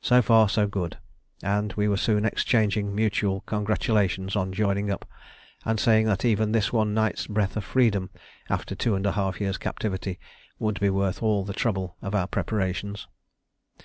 So far so good; and we were soon exchanging mutual congratulations on joining up, and saying that even this one night's breath of freedom, after two and a half years' captivity, would be worth all the trouble of our preparations.